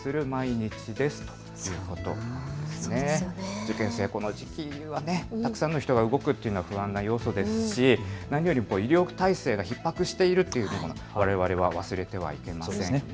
受験生、この時期はたくさんの人が動くというのは不安な要素ですし、何より医療体制がひっ迫しているというところはわれわれは忘れてはいけませんね。